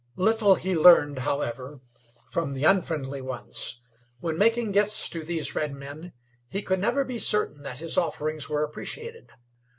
Little he learned, however, from the unfriendly ones. When making gifts to these redmen he could never be certain that his offerings were appreciated.